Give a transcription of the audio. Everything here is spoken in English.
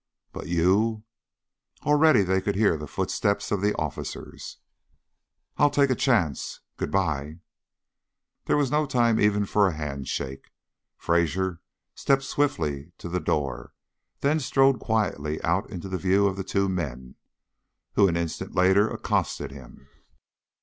"But you " Already they could hear the footsteps of the officers. "I'll take a chance. Good bye." There was no time even for a hand shake; Fraser stepped swiftly to the door, then strolled quietly out into the view of the two men, who an instant later accosted him.